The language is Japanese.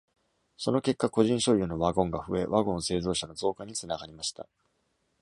その結果、個人所有のワゴンが増え、ワゴン製造者の増加につながりました。